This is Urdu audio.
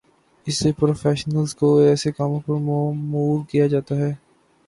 اسی لیے پروفیشنلز کو ایسے کاموں پہ مامور کیا جاتا ہے۔